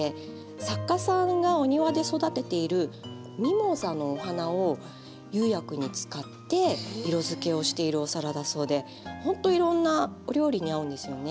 作家さんがお庭で育てているミモザの花を釉薬に使って色づけをしているお皿だそうでほんといろんなお料理に合うんですよね。